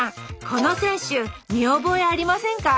この選手見覚えありませんか？